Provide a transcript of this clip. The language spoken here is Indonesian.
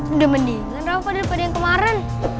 udah mendingan rafa daripada yang kemarin